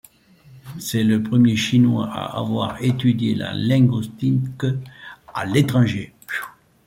C'est le premier Chinois à avoir étudié la linguistique à l'étranger.